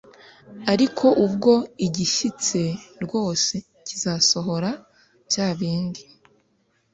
ariko ubwo igishyitse rwose kizasohora bya bindi